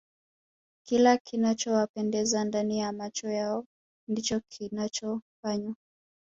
kila kinachowapendeza ndani ya macho yao ndicho wanachofanya